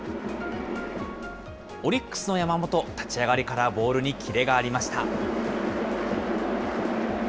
オリックスの山本、立ち上がりからボールにキレがありました。